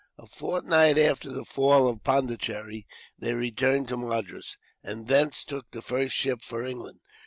A fortnight after the fall of Pondicherry, they returned to Madras, and thence took the first ship for England.